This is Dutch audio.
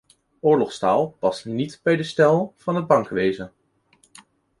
Oorlogstaal past niet bij de stijl van het bankwezen.